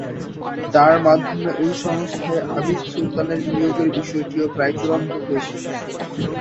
তাঁর মাধ্যমে ওই সংস্থায় আবিদ সুলতানের নিয়োগের বিষয়টিও প্রায় চূড়ান্ত হয়েছিল।